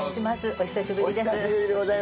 お久しぶりです。